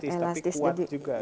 elastis tapi kuat juga gitu ya